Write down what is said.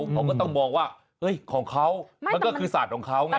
เขาก็ต้องมองว่าของเขามันก็คือศาสตร์ของเขาไง